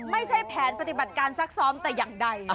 ไม่ใช่แผนปฏิบัติการซักซ้อมแต่อย่างใด